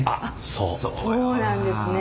そうなんですね。